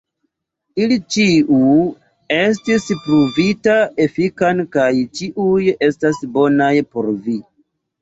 Ili ĉiu estis pruvita efikan kaj ĉiuj estas bonaj por vi.